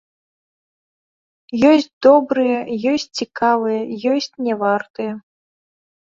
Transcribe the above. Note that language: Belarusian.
Ёсць добрыя, ёсць цікавыя, ёсць не вартыя.